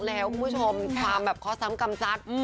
แล้วคุณผู้ชมความแบบข้อซ้ำกำซัด